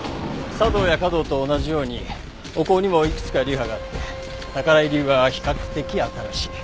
茶道や華道と同じようにお香にもいくつか流派があって宝居流は比較的新しい。